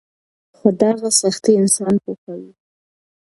خو دغه سختۍ انسان پوخوي.